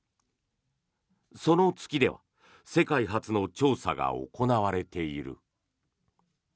その月では世界初の調査が行われている。